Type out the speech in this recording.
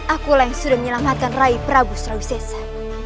akulah yang sudah menyelamatkan rai prabu srawisesa